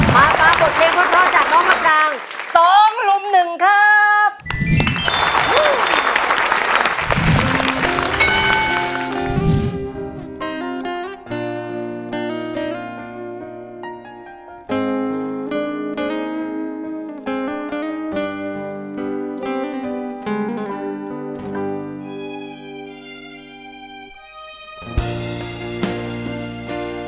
มาปะบทเพลงพอตอจ่าน้องมะปราง